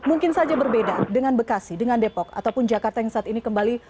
mungkin saja berbeda dengan bekasi dengan depok ataupun jakarta yang saat ini kembali